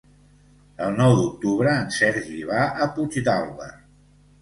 El nou d'octubre en Sergi va a Puigdàlber.